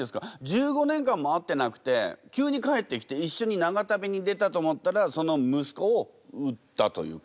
１５年間も会ってなくて急に帰ってきていっしょに長旅に出たと思ったらその息子を売ったというか。